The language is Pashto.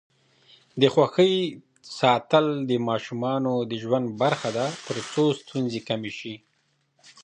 د خوښۍ ساتل د ماشومانو د ژوند برخه ده ترڅو ستونزې کمې شي.